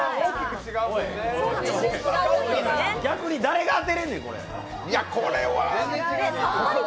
逆に誰が当てれんねん、これ。